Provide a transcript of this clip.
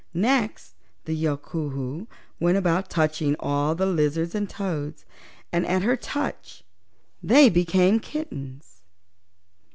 Next the Yookoohoo went about touching all the lizards and toads, and at her touch they became kittens.